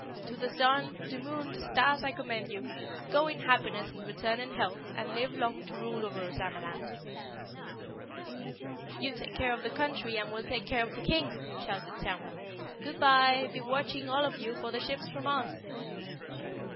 "To the sun the moon the stars I commend you! Go in happiness and return in health and live long to rule over Ozamaland." "You take care of the country and we'll take care of the King," shouted Samuel. "Goodbye! Goodbye! Be watching, all of you, for the ships from Oz!"